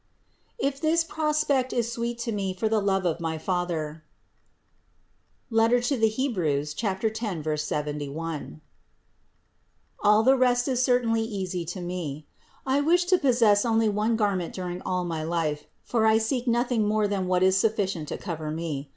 If this prospect is sweet to Me for the love of my Father (Heb. 10, 71) all the rest is certainly easy to Me. I wish to possess only one garment during all my life, for I seek nothing more than what is sufficient to cover Me.